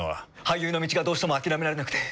俳優の道がどうしても諦められなくて。